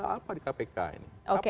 apa di kpk ini